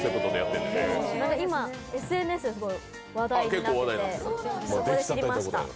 今、ＳＮＳで話題になっててそこで知りました。